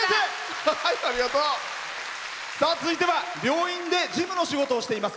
続いては病院で事務の仕事をしています。